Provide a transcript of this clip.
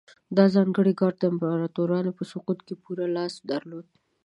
دا ځانګړی ګارډ د امپراتورانو په سقوط کې پوره لاس درلود